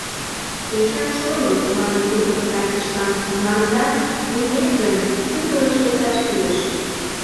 — Эчан шольо, — манын тудо пытартышлан, — мландан лийнет гын, хуторыш лекташ кӱлеш.